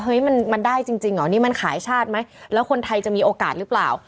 มันมันได้จริงเหรอนี่มันขายชาติไหมแล้วคนไทยจะมีโอกาสหรือเปล่า